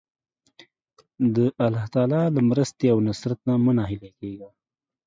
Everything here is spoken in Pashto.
د الله تعالی له مرستې او نصرت نه مه ناهیلی کېږه.